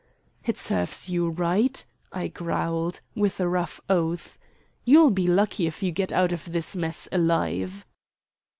"It serves you right," I growled, with a rough oath. "You'll be lucky if you get out of this mess alive."